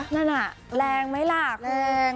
นั่นน่ะแรงไหมล่ะคุณ